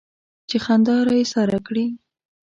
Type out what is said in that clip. چې خندا را ايساره کړي.